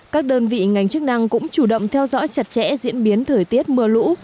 các đơn vị ngành chức năng cũng chủ động theo dõi chặt chẽ diễn biến thời tiết mưa lũ